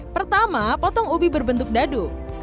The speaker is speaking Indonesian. pertama potong ubi berbentuk dadu